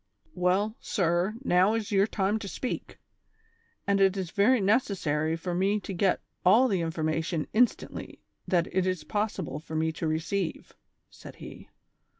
" Well, sir, now is your time to speak ; and it is very necessary for me to get all the information instantly that it is possible for me to receive," said he.